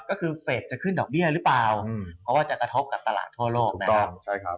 ก็คือเฟสจะขึ้นดอกเบี้ยหรือเปล่าเพราะว่าจะกระทบกับตลาดทั่วโลกนะครับใช่ครับ